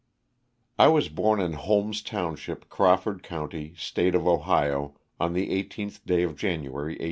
T WAS born in Holmes township, Crawford county, *^ State of Ohio, on the 18th day of January, 1842.